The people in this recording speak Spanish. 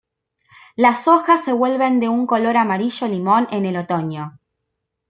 Las hojas se vuelven de un color amarillo limón en el otoño.